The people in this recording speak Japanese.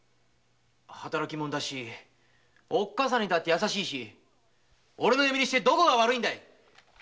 働きもんだしおっかさんにも優しいし俺の嫁にしてどこが悪いんだい！